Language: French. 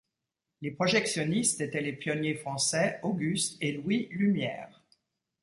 Les projectionnistes étaient les pionniers français Auguste et Louis Lumière.